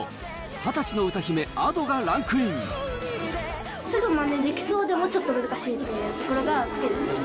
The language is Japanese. ２０歳の歌姫、すぐまねできそうでも、ちょっと難しいっていうところがすごい。